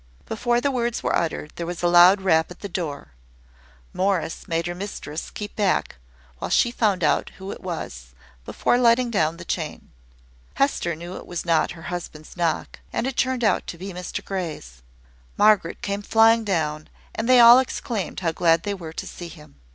Before the words were uttered, there was a loud rap at the door. Morris made her mistress keep back, while she found out who it was, before letting down the chain. Hester knew it was not her husband's knock; and it turned out to be Mr Grey's. Margaret came flying down, and they all exclaimed how glad they were to see him.